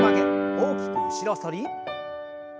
大きく後ろ反り。